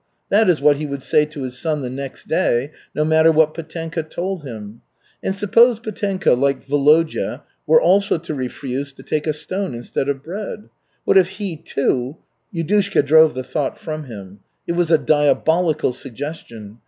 That is what he would say to his son the next day, no matter what Petenka told him. And suppose Petenka, like Volodya, were also to refuse to take a stone instead of bread? What if he, too Yudushka drove the thought from him. It was a diabolical suggestion.